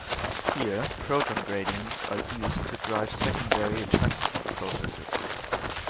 Here, proton gradients are used to drive secondary transport processes.